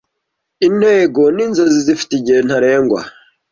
Intego ninzozi zifite igihe ntarengwa.